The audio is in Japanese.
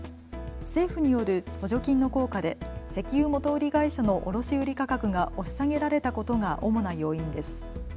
政府による補助金の効果で石油元売り会社の卸売価格が押し下げられたことが主な要因です。